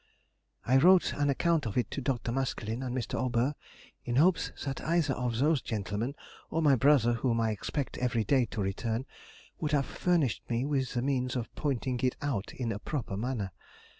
I wrote an account of it to Dr. Maskelyne and Mr. Aubert, in hopes that either of those gentlemen, or my brother, whom I expect every day to return, would have furnished me with the means of pointing it out in a proper manner.